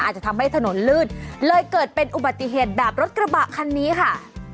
อาจจะทำให้ถนนลื่นเลยเกิดเป็นอุบัติเหตุแบบรถกระบะคันนี้ค่ะ